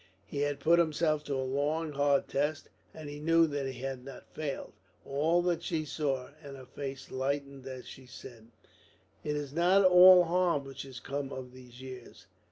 He had put himself to a long, hard test; and he knew that he had not failed. All that she saw; and her face lightened as she said: "It is not all harm which has come of these years.